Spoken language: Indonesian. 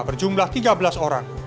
berjumlah tiga belas orang